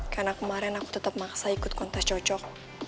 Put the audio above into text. karena kemarin aku tetep maksa ikut kontes cocok